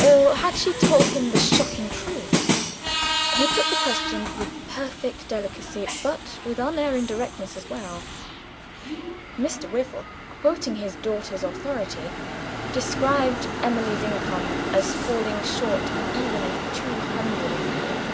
or had she told him the shocking truth? He put the question with perfect delicacy but with unerring directness as well. Mr. Wyvil, quoting his daughter's authority, described Emily's income as falling short even of two hundred a year.